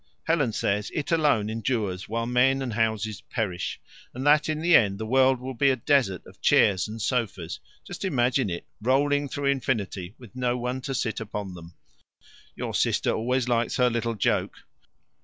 Helen says it alone endures while men and houses perish, and that in the end the world will be a desert of chairs and sofas just imagine it! rolling through infinity with no one to sit upon them." "Your sister always likes her little joke.